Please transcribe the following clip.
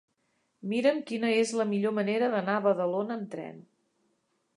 Mira'm quina és la millor manera d'anar a Badalona amb tren.